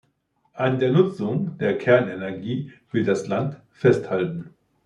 An der Nutzung der Kernenergie will das Land festhalten.